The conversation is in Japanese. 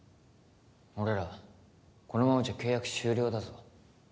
俺らこのままじゃ契約終了だぞ